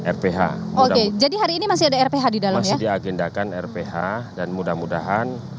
rph oke jadi hari ini masih ada rph di dalamnya di agendakan rph dan mudah mudahan